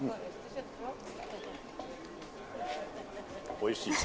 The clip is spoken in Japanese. おいしい。